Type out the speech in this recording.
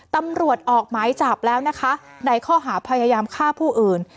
ตำรวจออกหมายจับแล้วนะคะในข้อหาพยายามฆ่าผู้อื่น